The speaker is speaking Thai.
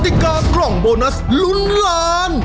ติกากล่องโบนัสลุ้นล้าน